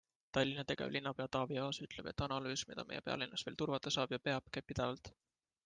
Tallinna tegevlinnapea Taavi Aas ütleb, et analüüs, mida meie pealinnas veel turvata saab ja peab, käib pidevalt.